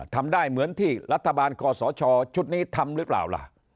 ทำได้เหมือนที่รัฐบาลคอสชชุดนี้ทำหรือเปล่าล่ะ